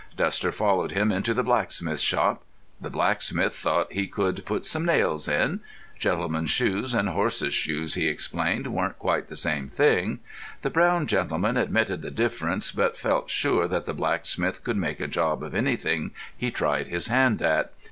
Duster followed him into the blacksmith's shop. The blacksmith thought he could put some nails in; gentlemen's shoes and horses' shoes, he explained, weren't quite the same thing. The brown gentleman admitted the difference, but felt sure that the blacksmith could make a job of anything he tried his hand at.